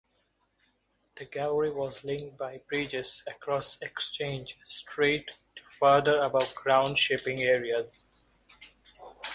The gallery was linked by bridges across Exchange Street to further above-ground shopping areas.